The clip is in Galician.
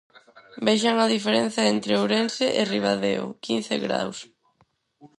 Vexan a diferenza entre Ourense e Ribadeo, quince graos.